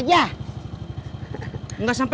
yang sedang sama